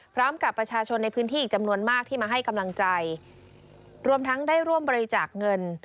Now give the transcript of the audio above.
พร้อมกับประชาชนในพื้นที่อีกจำนวนมากที่มาให้กำลังใจรวมทั้งได้ร่วมบริจาคเงิน